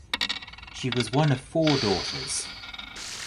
She was one of four daughters.